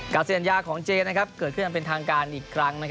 การเสียงสัญญาณของเจนเกิดขึ้นอันเป็นทางการอีกครั้ง